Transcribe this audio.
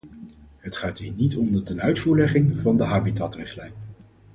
Het gaat hier niet om de tenuitvoerlegging van de habitatrichtlijn.